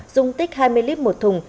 dùng tích hai mươi lít một thùng